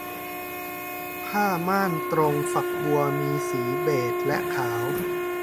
ผ้าม่านตรงฝักบัวมีสีเบจและขาว